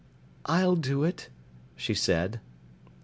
"I I'll do it," she said.